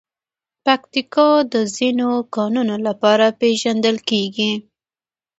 پکتیکا د ځینو کانونو لپاره پېژندل کېږي.